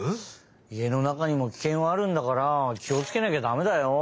家の中にもキケンはあるんだからきをつけなきゃだめだよ。